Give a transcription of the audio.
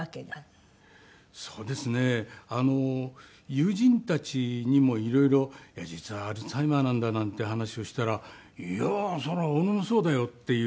友人たちにも色々「実はアルツハイマーなんだ」なんて話をしたら「いやーそら俺もそうだよ」っていう。